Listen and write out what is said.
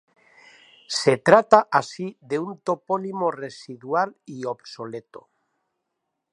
Se trata así de un topónimo residual y obsoleto.